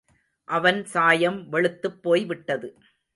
அவன் சாயம் வெளுத்துப் போய்விட்டது.